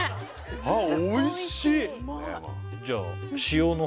あっおいしい！